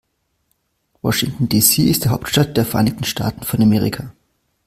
Washington, D.C. ist die Hauptstadt der Vereinigten Staaten von Amerika.